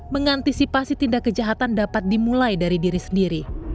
mengantisipasi tindak kejahatan dapat dimulai dari diri sendiri